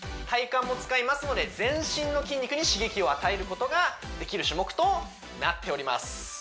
体幹も使いますので全身の筋肉に刺激を与えることができる種目となっております